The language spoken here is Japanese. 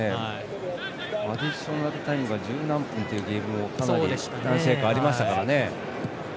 アディショナルタイムが十何分というゲームも何試合かありましたからね。